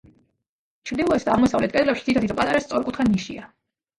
ჩრდილოეთ და აღმოსავლეთ კედლებში თითო-თითო პატარა სწორკუთხა ნიშია.